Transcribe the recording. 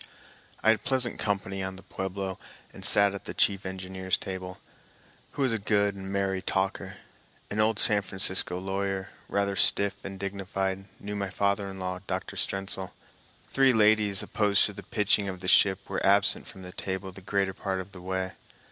I had pleasant company on the Pueblo and sat at the chief engineer's table, who was a good and merry talker. An old San Francisco lawyer, rather stiff and dignified, knew my father in law, Dr. Strentzel. Three ladies, opposed to the pitching of the ship, were absent from table the greater part of the way.